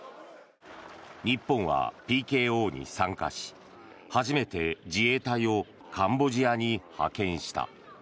日本はＰＫＯに参加し、初めて自衛隊をカンボジアに派遣した。